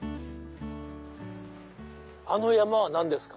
あの山は何ですか？